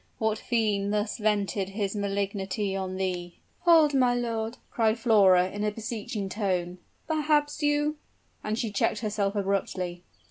what fiend thus vented his malignity on thee?" "Hold, my lord!" cried Flora, in a beseeching tone; "perhaps you " And she checked herself abruptly.